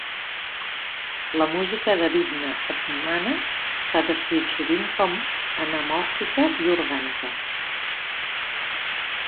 La música de Vidna Obmana s'ha descrit sovint con a anamòrfica i orgànica.